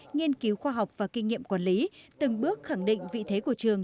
nghiên cứu khoa học và kinh nghiệm quản lý từng bước khẳng định vị thế của trường